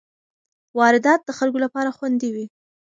واردات د خلکو لپاره خوندي وي.